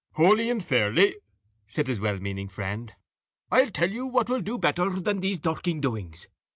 "Hooly and fairly," said his well meaning friend. "I'll tell you what will do better than these dirking doings.